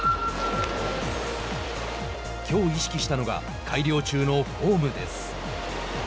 きょう意識したのが改良中のフォームです。